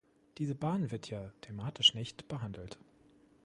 Diese Bahn wird hier thematisch nicht behandelt.